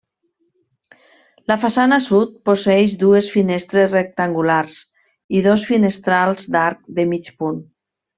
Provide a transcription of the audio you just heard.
La façana sud posseeix dues finestres rectangulars i dos finestrals d'arc de mig punt.